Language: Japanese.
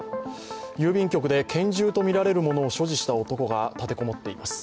郵便局で拳銃とみられるものを所持した男が立て籠もっています。